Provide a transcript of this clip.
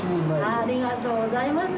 ありがとうございます。